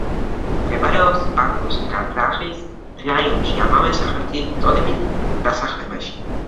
მდებარეობს ბაქოს გარადაღის რაიონში, ამავე სახელწოდების დასახლებაში.